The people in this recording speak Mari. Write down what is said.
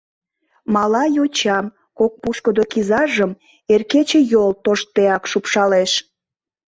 Мала йочам, Кок пушкыдо кизажым Эр кечыйол Тоштдеак шупшалеш.